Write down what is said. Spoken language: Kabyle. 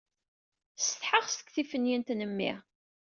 Ssetḥaɣ seg tiffinyent n mmi.